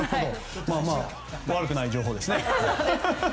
悪くない情報ですね。